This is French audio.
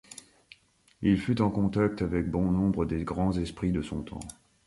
Il fut en contact avec bon nombre des grands esprits de son temps.